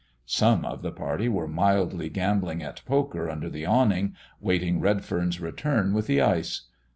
Some of the party were mildly gambling at poker under the awning, waiting Redfern's return with the ice.